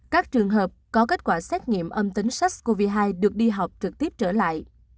các trường hợp có kết quả xét nghiệm âm tính sars cov hai được đi học trực tiếp trở lại